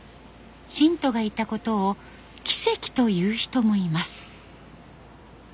信徒がいたことを奇跡という人もいます。